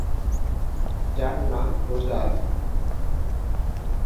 যার নাম রোজা আলী।